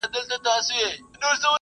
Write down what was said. قصاص یو الهي حکم دی.